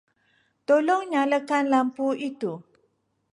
Tolong nyalakan lampu itu.